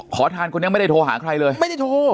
ขอทานคนนี้ไม่ได้โทรหาใครเลยไม่ได้โทร